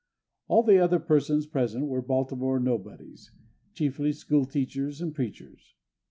All the other persons present were Baltimore nobodies—chiefly schoolteachers and preachers.